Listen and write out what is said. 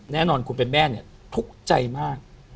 แน่นอนคุณเป็นแม่เนี่ยทุกข์ใจมาก